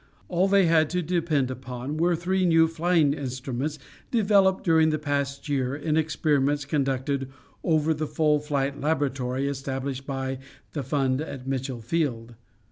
All they had to depend on were three new flying instruments, developed during the past year in experiments conducted over the full flight laboratory established by the Fund at Mitchel Field.